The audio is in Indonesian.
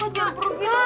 kak jangan perlu pergi